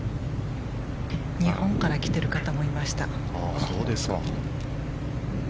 日本から来ている方もいました。